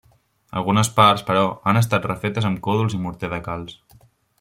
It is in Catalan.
Algunes parts, però, han estat refetes amb còdols i morter de calç.